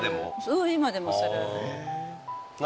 うん今でもする。